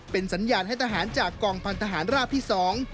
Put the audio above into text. เป็นสัญญาณให้ทหารจากกองพันธหารราบที่สอง